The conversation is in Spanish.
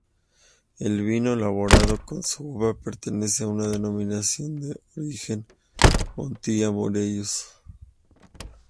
El vino elaborado con su uva pertenece a la Denominación de Origen Montilla-Moriles.